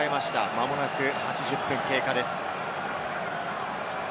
まもなく８０分経過です。